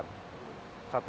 niu keluaran t